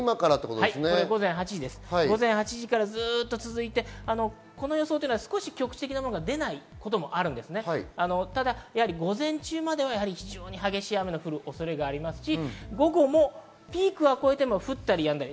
ずっと続いて予想は少し局地的なものが出ないこともありますが、午前中までは非常に激しい雨の降る恐れがありますし、午後もピークは越えても降ったりやんだり。